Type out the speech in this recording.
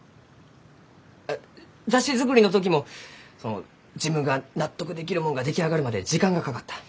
あ雑誌作りの時もその自分が納得できるもんが出来上がるまで時間がかかった。